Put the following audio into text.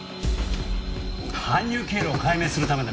搬入経路を解明するためだ。